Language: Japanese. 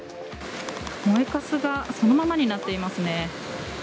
燃えかすがそのままになっていますね。